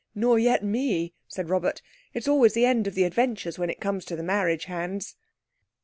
"Nor yet me," said Robert. "It's always the end of the adventures when it comes to the marriage hands."